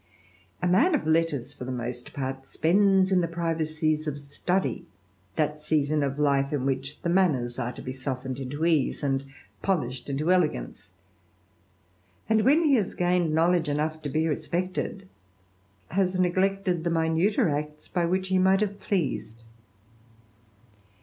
A man of letters for the most the privacies of study, that season of life in die manners are to be softened into ease, and into elegance ; and, when he has gained knowledge to be respected, has neglected the minuter acts by might have pleased.